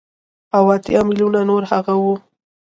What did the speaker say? او اتيا ميليونه نور هغه وو.